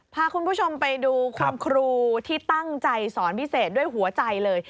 พาคุณผู้ชมไปดูคุณครูที่ตั้งใจสอนพิเศษด้วยหัวใจเลย